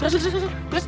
terus terus terus